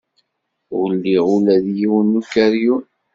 Ur liɣ ula d yiwen n ukeryun.